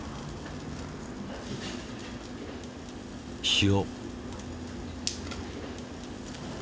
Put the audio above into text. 塩。